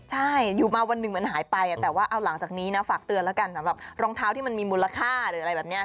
ใช่อยู่มาวันหนึ่งมันหายไปแต่ว่าเอาหลังจากนี้นะฝากเตือนแล้วกันสำหรับรองเท้าที่มันมีมูลค่าหรืออะไรแบบนี้